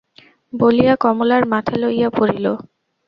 –বলিয়া কমলার মাথা লইয়া পড়িল।